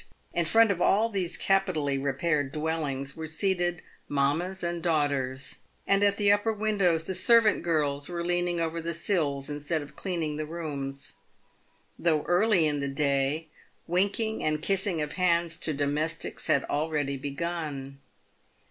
In front of all these capitally repaired dwellings were seated mammas and daughters, and at the upper windows the servant girls were leaning over the sills instead of cleaning the rooms. Though early in the day, winking and kissing of hands to domestics had already begun.